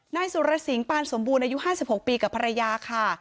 นายสุรสิงปานสมบูรณ์อายุ๕๖ปีกับภรรยาค่ะ